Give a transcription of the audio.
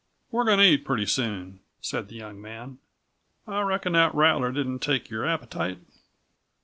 "We're goin' to eat pretty soon," said the young man. "I reckon that rattler didn't take your appetite?"